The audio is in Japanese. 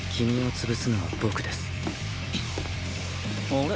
あれ？